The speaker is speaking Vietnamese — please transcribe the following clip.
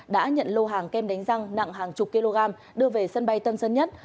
đã nhận lô hàng kem đánh răng nặng hàng chục kg đưa về sân bay tân sơn nhất